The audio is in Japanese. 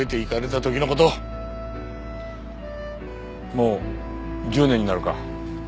もう１０年になるか。